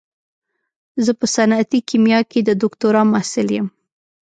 زه په صنعتي کيميا کې د دوکتورا محصل يم.